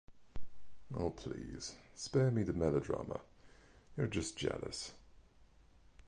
Oh, please. Spare me the melodrama. You're just jealous.